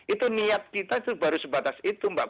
itu niat kita itu baru sebatas itu mbak